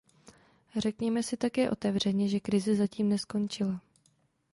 Řekněme si také otevřeně, že krize zatím neskončila.